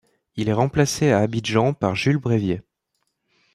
Il est remplacé à Abidjan par Jules Brévié.